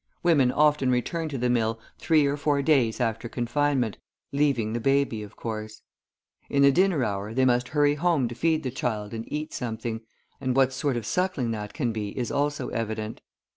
Women often return to the mill three or four days after confinement, leaving the baby, of course; in the dinner hour they must hurry home to feed the child and eat something, and what sort of suckling that can be is also evident.